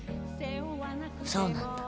そうなんだ。